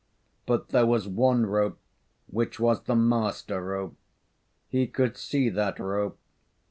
But there was one rope which was the master rope. He could see that rope.